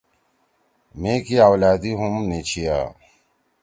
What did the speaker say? مھی کی آولادی ھم نی چھیا۔